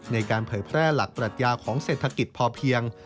เผยแพร่หลักปรัชญาของเศรษฐกิจพอเพียง